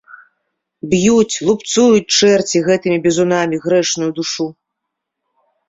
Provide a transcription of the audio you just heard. Б'юць, лупцуюць чэрці гэтымі бізунамі грэшную душу.